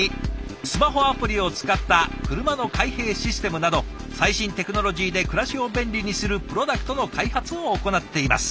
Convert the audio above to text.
スマホアプリを使った車の開閉システムなど最新テクノロジーで暮らしを便利にするプロダクトの開発を行っています。